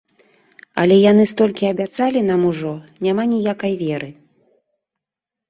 Але яны столькі абяцалі нам ужо, няма ніякай веры.